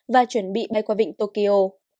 và chuẩn bị bay qua vịnh tokyo